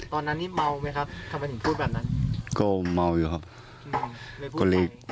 ตอนนั้นนี่เมาไหมครับทำไมถึงพูดแบบนั้นก็เมาอยู่ครับ